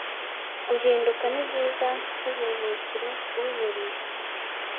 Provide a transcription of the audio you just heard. Guhinduka nibyiza nkuburuhukiro bw’uburiri